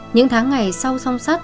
những tháng ngày sau song sắt